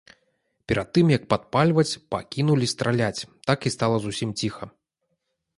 Перад тым як падпальваць, пакінулі страляць, так і стала зусім ціха.